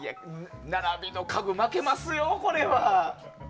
並びの家具、負けますよ。